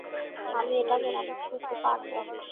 আমি এটা মেরামত করতে পারব।